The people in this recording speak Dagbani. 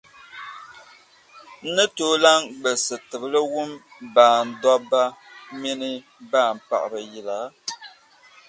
N ni tooi lan gbilisi tibili wum baan dɔbba minii baan’ paɣiba yila?